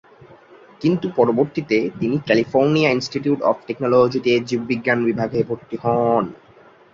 কিন্তু পরবর্তীতে তিনি ক্যালিফোর্নিয়া ইন্সটিটিউট অফ টেকনোলজিতে জীববিজ্ঞান বিভাগে ভর্তি হন।